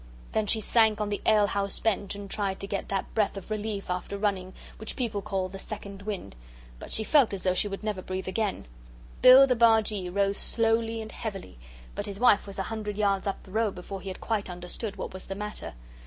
Then she sank on the ale house bench and tried to get that breath of relief after running which people call the 'second wind.' But she felt as though she would never breathe again. Bill the Bargee rose slowly and heavily. But his wife was a hundred yards up the road before he had quite understood what was the matter.